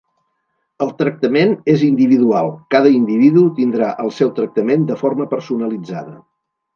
El tractament és individual, cada individu tindrà el seu tractament de forma personalitzada.